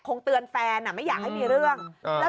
คงเตือนแฟนไม่อยากให้มีเรื่อง